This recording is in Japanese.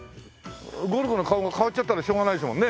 ゴルゴの顔が変わっちゃったらしょうがないですもんね。